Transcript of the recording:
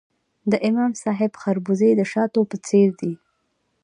د امام صاحب خربوزې د شاتو په څیر دي.